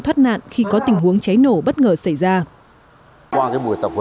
thoát nạn khi có tình huống cháy nổ bất ngờ xảy ra